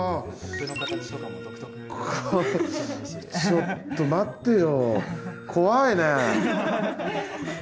ちょっと待ってよ。